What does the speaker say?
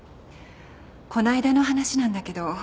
こないだの話なんだけど。